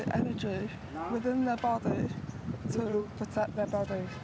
dan juga olimpiade gerade